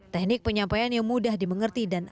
teknik penyampaiannya mudah dimengerti dan